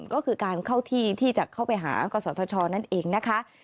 ก็คือการเข้าที่ที่จะเข้าไปหากศธชนั่นเองนะคะ